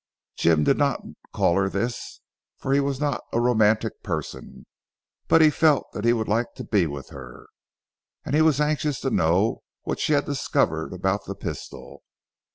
Jim did not call her this, for he was not a romantic person; but he felt he would like to be with her. And he was anxious to know what she had discovered about the pistol.